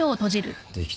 できた。